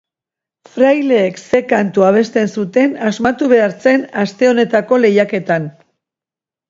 Fraileek ze kantu abesten zuten asmatu behar zen aste honetako lehiaketan.